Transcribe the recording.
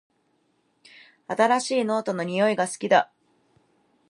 新しいノートの匂いが好きだ